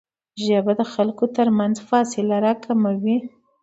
ژبه د خلکو ترمنځ فاصلې راکموي